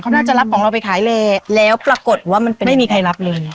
เขาน่าจะรับของเราไปขายเลยแล้วปรากฏว่ามันเป็นไม่มีใครรับเลย